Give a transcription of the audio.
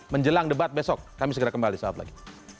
menjelang debat besok kami segera kembali saat lagi